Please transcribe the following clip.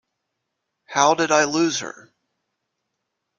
How did I lose her?